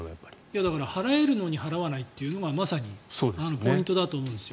だから払えるのに払わないっていうのがまさにポイントだと思うんですよね。